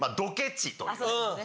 そうですね。